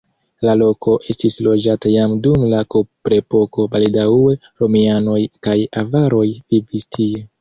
La loko estis loĝata jam dum la kuprepoko, baldaŭe romianoj kaj avaroj vivis tie.